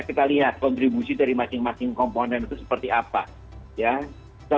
kita lihat kontribusi dari masing masing komponen itu seperti apa